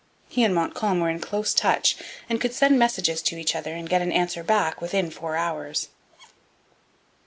He and Montcalm were in close touch and could send messages to each other and get an answer back within four hours.